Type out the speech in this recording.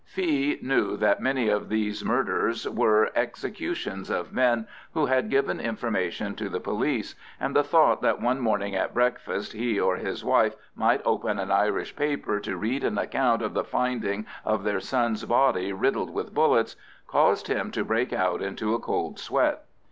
Fee knew that many of these murders were "executions" of men who had given information to the police, and the thought that one morning at breakfast he or his wife might open an Irish paper to read an account of the finding of their son's body riddled with bullets, caused him to break out into a cold sweat.